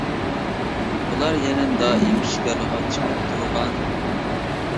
ئۇلار يەنە دائىم شىكارغا چىقىپ تۇرغان.